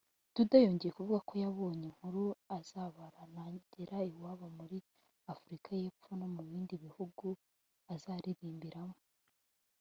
Duda yongeye kuvuga ko yabonye inkuru azabara nagera iwabo muri Afurika y’Epfo no mu bindi bihugu azaririmbiramo